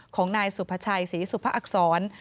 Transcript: ของนายสุภาชัยศรีสุภอักษร